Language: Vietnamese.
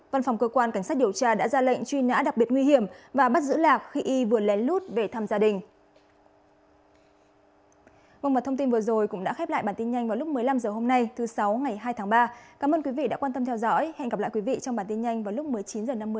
văn phòng cơ quan cảnh sát điều tra đã ra lệnh truy nã đặc biệt nguy hiểm và bắt giữ lạc khi y vừa lén lút về thăm gia đình